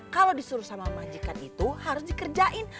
kalau disuruh sama majikan itu harus dikerjain